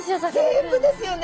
全部ですよね？